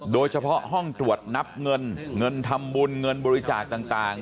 โดยเฉพาะห้องตรวจนับเงินเงินทำบุญเงินบริจาคต่าง